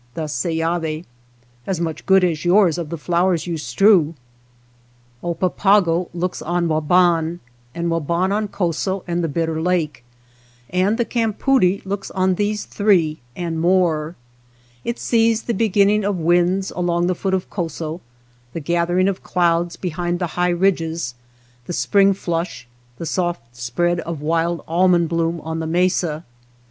Thus Seyavi, " As much good as yours of the flowers you strew." ^^ppapago looks on Waban, and Waban on Coso and the Bitter Lak^and the cam poodie looks on these three; and more, ^t sees the beginning of winds along the foot of Coso, the gathering of clouds be hind the high ridges, the spring flush, the soft spread of wild almond bloom on the mesa.